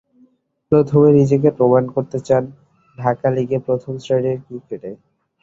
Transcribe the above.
প্রথমে নিজেকে প্রমাণ করতে চান ঢাকা লিগে, প্রথম শ্রেণির ক্রিকেটে।